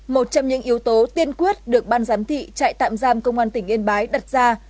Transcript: một trong những yếu tố tiên quyết được ban giám thị trại tạm giam công an tỉnh yên bái đặt ra